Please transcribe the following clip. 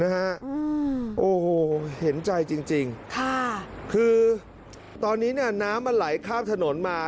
นะฮะโอ้โหเห็นใจจริงคือตอนนี้น้ำมันไหลข้ามถนนมา